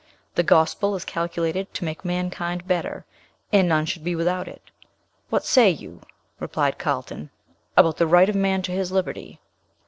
The gospel is calculated to make mankind better, and none should be without it." "What say you," replied Carlton, "about the right of man to his liberty?"